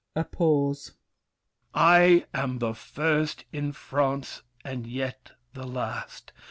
[A pause. I am the first in France and yet the last!